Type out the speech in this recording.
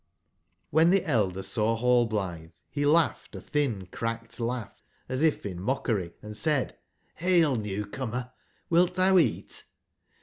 inGJV tbe elder saw Hallblitbe, be laugbed a tbin cracked laugb as if in mockery and said: rHail, new/ comer t wilt tbou eat?"